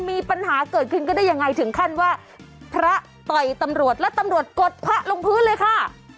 มีปัญหาเกิดขึ้นก็ได้ยังไงถึงขั้นว่าพระต่อยตำรวจแล้วตำรวจกดพระลงพื้นเลยค่ะ